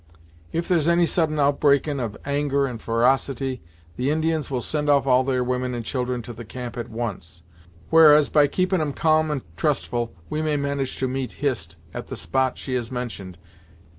If there's any sudden outbreakin' of anger and ferocity, the Indians will send off all their women and children to the camp at once, whereas, by keeping 'em calm and trustful we may manage to meet Hist at the spot she has mentioned.